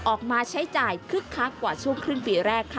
ออกมาใช้จ่ายคึกคักกว่าช่วงครึ่งปีแรกค่ะ